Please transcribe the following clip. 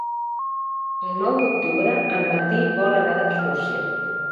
El nou d'octubre en Martí vol anar d'excursió.